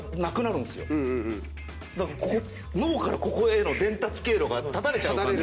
脳からここへの伝達経路が断たれちゃう感じ。